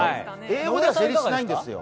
英語では成立しないんですよ。